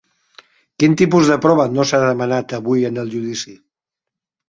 Quin tipus de prova no s'ha demanat avui en el judici?